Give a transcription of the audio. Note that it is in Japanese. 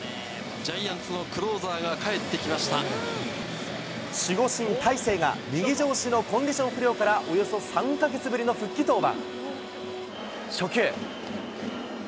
ジャイアンツのクローザーが守護神、大勢がコンディション不良からおよそ３か月ぶりの復帰登板。